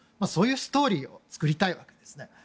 そういうストーリーを作りたいわけですね。